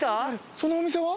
そのお店は？